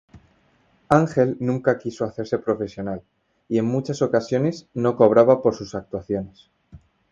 Ángel nunca quiso hacerse profesional y en muchas ocasiones no cobraba por sus actuaciones.